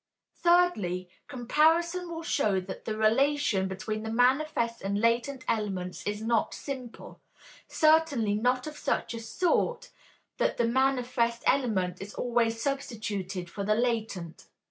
Thirdly: Comparison will show that the relation between the manifest and latent elements is not simple, certainly not of such a sort that a manifest element is always substituted for the latent.